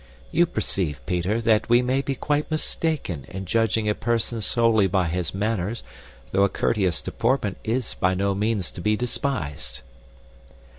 You perceive, Peter, that we may be quite mistaken in judging a person solely by his manners, though a courteous deportment is by no means to be despised."